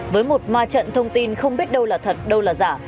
với một ma trận thông tin không biết đâu là thật đâu là giả